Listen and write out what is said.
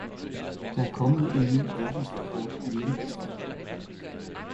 Der er kommet en ny verdensrekord i længdespring.